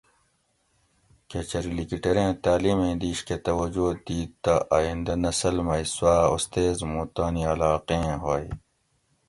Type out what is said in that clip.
کہ چری لِکیٹیریں تعلیمیں دِیش کہ توجہ دِیت تہ آئیندہ نسل مئی سوآۤ اُستیز موں تانی علاقیں ہوئے